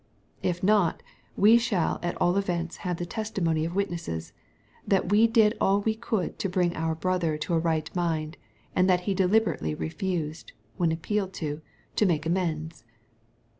If not, we shall at all events have the testimony of witnesses, that we did all we could to bring our brother to a right mind, and that he de liberately refused, when appealed to, to make amends.